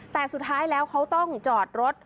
แต่สุดท้ายแล้วเขาต้องจอดรถ